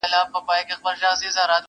زه به د وخت له کومي ستړي ريشا وژاړمه..